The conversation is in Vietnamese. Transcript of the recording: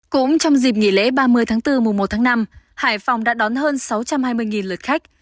cũng trong dịp nghỉ lễ ba mươi tháng bốn mùa một tháng năm hải phòng đã đón hơn sáu trăm hai mươi lượt khách